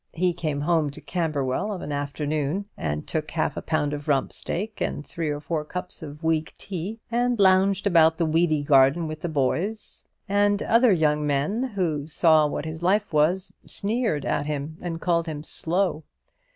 He came home to Camberwell of an afternoon, and took half a pound of rump steak and three or four cups of weak tea, and lounged about the weedy garden with the boys; and other young men who saw what his life was, sneered at him and called him "slow."